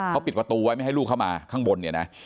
เขาปิดประตูไว้ไม่ให้ลูกเข้ามาข้างบนเนี่ยนะ